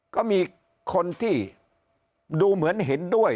ก็มีคนที่ดูเหมือนเห็นด้วย